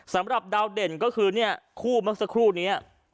สำหรับดาวเด่นก็คือเนี่ยคู่เมื่อสักครู่นี้